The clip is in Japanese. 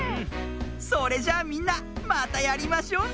それじゃあみんなまたやりましょうね。